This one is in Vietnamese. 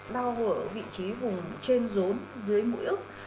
đau ở vị trí vùng trên rốn dưới mũi ức